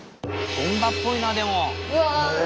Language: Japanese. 本場っぽいなでも。